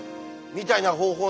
みたいな方法